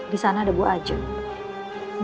di sana ada buah ajeng